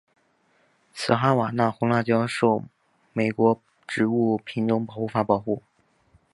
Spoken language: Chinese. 此哈瓦那红辣椒受美国植物品种保护法保护。